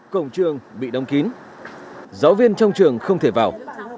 cổng trường bị đóng kín giáo viên trong trường không thể vào